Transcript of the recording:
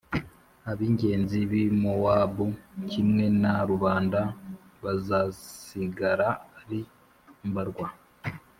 ab’ingenzi b’i Mowabu kimwe na rubanda bazasigara ari mbarwa.